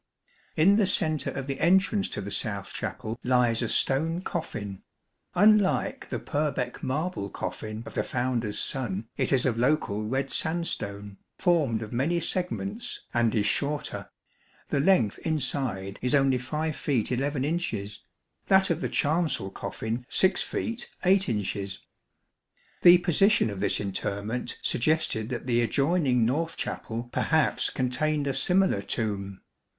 In the centre of the entrance to the south chapel lies a stone coffin. Unlike the Purbeck marble coffin of the founder's son, it is of local red sandstone, formed of many segments, and is shorter. The length inside is only 5 feet 11 inches ; that of the chancel coffin 6 feet 8 inches. The position of this interment suggested that the adjoining north chapel perhaps contained a similiar tomb.